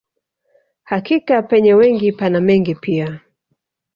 Hakika penye wengi pana mengi pia